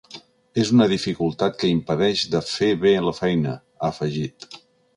És una dificultat que impedeix de fer bé la feina, ha afegit.